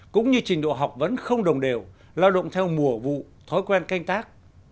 cũng như trình độ học vấn không đồng đều lao động theo mùa vụ thói quen canh tác